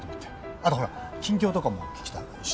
あとほら近況とかも聞きたいし。